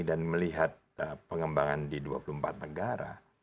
dan melihat pengembangan di dua puluh empat negara